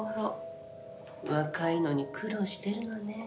若いのに苦労してるのねえ。